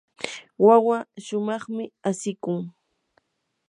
wawaa shumaqmi asikun.